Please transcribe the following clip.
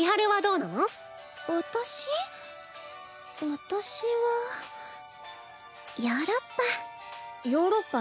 私はヨーロッパ。